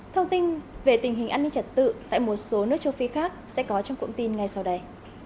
thông tin về tình hình an ninh trật tự tại một số nước châu phi khác sẽ có trong cụm tin ngay sau đây